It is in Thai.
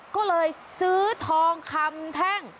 ก็เลยซื้อทองคำแท่ง